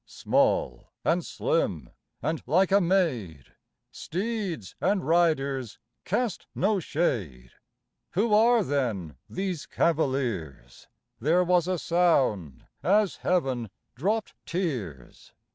Small and slim and like a maid Steeds and riders cast no shade. Who are then these cavaliers ? There was a sound as Heaven dropt tears.